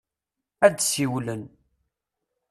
Ad d-siwlen.